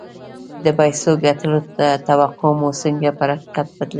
د پيسو ګټلو توقع مو څنګه پر حقيقت بدلوي؟